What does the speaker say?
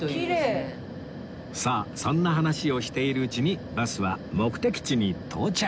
さあそんな話をしているうちにバスは目的地に到着